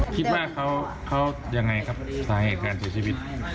คิดว่าเขายังไงตามเหตุการณ์สิพิษ